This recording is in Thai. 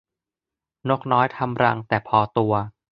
นกน้อยทำรังแต่พอตัว